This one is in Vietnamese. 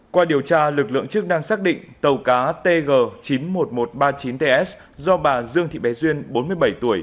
qua điều tra lực lượng chức năng xác định tàu cá tg chín mươi một nghìn một trăm ba mươi chín ts do bà dương thị bé duyên bốn mươi bảy tuổi